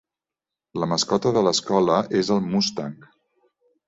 La mascota de l'escola és el Mustang.